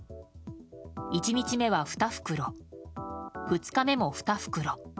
１日目は２袋２日目も２袋